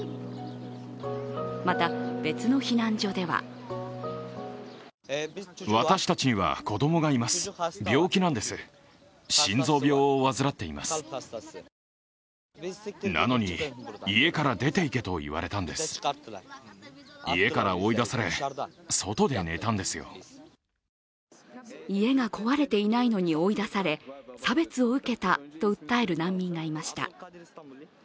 また、別の避難所では家が壊れてないのに追い出され、差別を受けたと訴える難民がいました。